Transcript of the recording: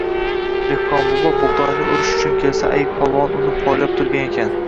Dehqonbobo bug’doyni o’rish uchun kelsa, ayiq polvon uni poylab turgan ekan